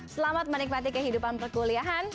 selamat menikmati kehidupan perkuliahan